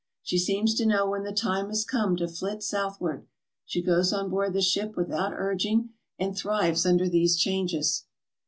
She seems to know when the time has come to flit southward. She goes on board the ship with out urging and thrives under these changes.